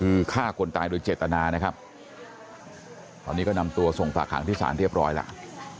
คือฆ่าคนตายโดยเจตนานะครับตอนนี้ก็นำตัวส่งฝากหางที่สารเรียบร้อยแล้ว